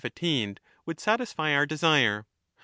5 1215' attained, would satisfy our desire.